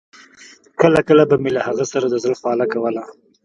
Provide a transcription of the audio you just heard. کله کله به مې له هغه سره د زړه خواله کوله.